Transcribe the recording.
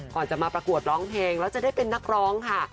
ก่อนจะมาประกวดร้องเพลงแล้วจะได้เป็นนักร้องค่ะ